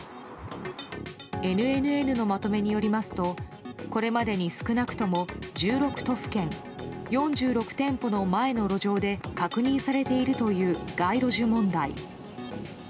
ＮＮＮのまとめによりますとこれまでに少なくとも１６都府県４６店舗の前の路上で確認されているという街路樹問題。